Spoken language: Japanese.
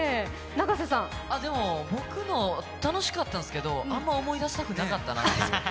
僕も楽しかったんですけどあんま思い出したくなかったなという。